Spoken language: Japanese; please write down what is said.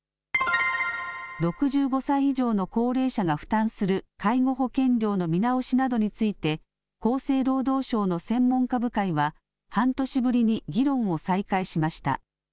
６５歳以上の高齢者が負担する介護保険料の見直しなどについて、厚生労働省の専門家部会は、半年ぶりに議論を再開しました。